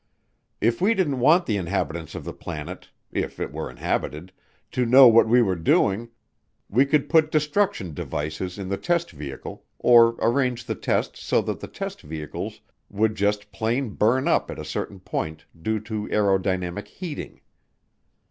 If we didn't want the inhabitants of the planet, if it were inhabited, to know what we were doing we could put destruction devices in the test vehicle, or arrange the test so that the test vehicles would just plain burn up at a certain point due to aerodynamic heating.